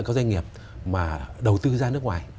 các doanh nghiệp mà đầu tư ra nước ngoài